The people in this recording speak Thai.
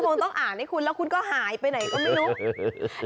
คงต้องอ่านให้คุณแล้วคุณก็หายไปไหนก็ไม่รู้